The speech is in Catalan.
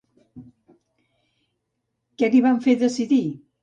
Què li van fer decidir?